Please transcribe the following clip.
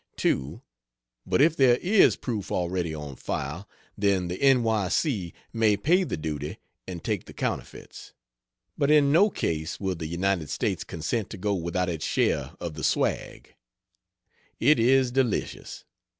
2. But if there is proof already on file, then the N. Y. C. may pay the duty and take the counterfeits. But in no case will the United States consent to go without its share of the swag. It is delicious.